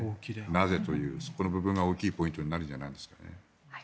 なぜというそこの部分が大きいポイントになるのではないでしょうか。